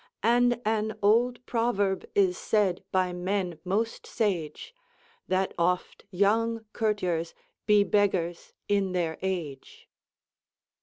And an olde proverb is sayde by men moste sage, That oft yonge courters be beggars in their age."